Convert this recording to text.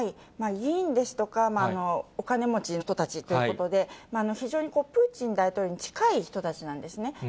議員ですとかお金持ちの人たちということで、非常にプーチン大統領に近い人たちなんですね。